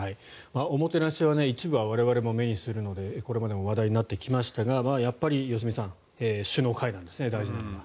おもてなしは一部は我々も目にするのでこれまでも話題になってきましたがやっぱり良純さん首脳会談ですね、大事なのは。